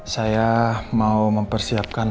saya mau mempersiapkan